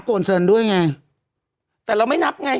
โทษทีน้องโทษทีน้อง